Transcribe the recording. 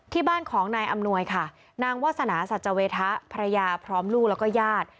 ที่บ้านของนายอำนวยค่ะนางวาสนาสัจเวทะภรรยาพร้อมลูกแล้วก็ญาติ